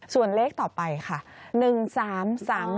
ส่วนเลขต่อไปค่ะ